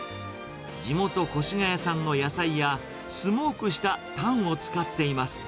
地元、越谷産の野菜や、スモークしたタンを使っています。